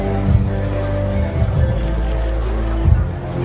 สโลแมคริปราบาล